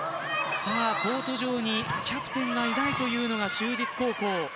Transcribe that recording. コート上にキャプテンがいないというのが就実高校。